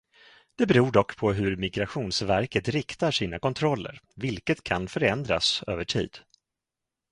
Det beror dock på hur Migrationsverket riktar sina kontroller, vilket kan förändras över tid.